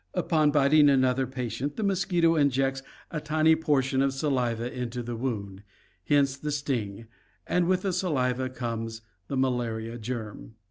Upon biting another patient, the mosquito injects a tiny portion of saliva into the wound — hence the sting — and with the saliva comes the malaria germ.